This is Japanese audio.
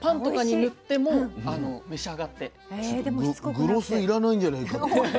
グロスいらないんじゃないかっていう。